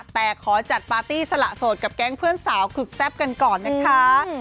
แต่ขอจัดปาร์ตี้สละโสดกับแก๊งเพื่อนสาวสุดแซ่บกันก่อนนะคะ